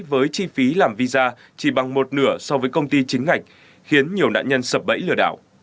với chi phí làm visa chỉ bằng một nửa so với công ty chính ngạch khiến nhiều nạn nhân sập bẫy lừa đảo